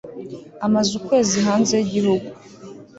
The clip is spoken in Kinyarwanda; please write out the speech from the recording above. Amaze ukwezi hanze yigihugu